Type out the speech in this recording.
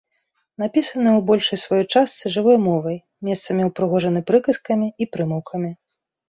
Напісаны ў большай сваёй частцы жывой мовай, месцамі ўпрыгожаны прыказкамі і прымаўкамі.